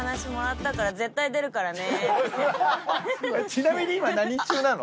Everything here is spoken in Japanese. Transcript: ちなみに今何中なの？